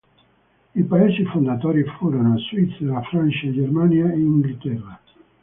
I paesi fondatori furono: Svizzera, Francia, Germania e Inghilterra.